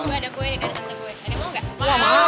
gue ada kue nih ada kata gue ada mau gak